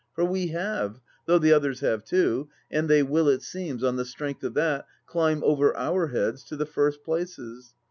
For we have, though the others have too, and they will it seems, on the strength of that, climb over our heads to the first places.